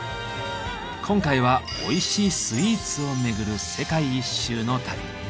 今回はおいしいスイーツを巡る世界一周の旅。